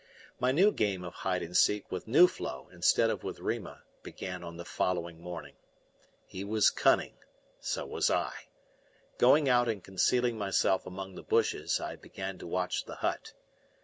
My new game of hide and seek with Nuflo instead of with Rima began on the following morning. He was cunning; so was I. Going out and concealing myself among the bushes, I began to watch the hut.